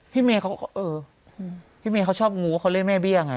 ถ้าเมียเขาชอบงูเขาเรียกแม่เบี้ยงไง